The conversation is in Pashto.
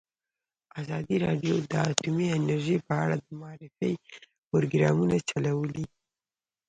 ازادي راډیو د اټومي انرژي په اړه د معارفې پروګرامونه چلولي.